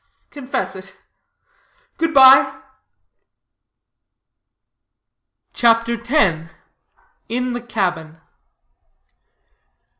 Confess it. Good bye." CHAPTER X. IN THE CABIN.